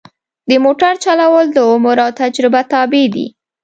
د موټر چلول د عمر او تجربه تابع دي.